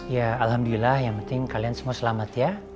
ya alhamdulillah yang penting kalian semua selamat ya